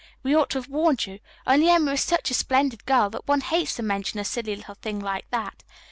We ought to have warned you, only Emma is such a splendid girl that one hates to mention a silly little thing like that.